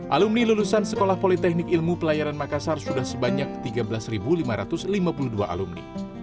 alumni lulusan sekolah politeknik ilmu pelayaran makassar sudah sebanyak tiga belas lima ratus lima puluh dua alumni